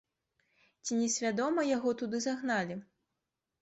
Ці не свядома яго туды загналі?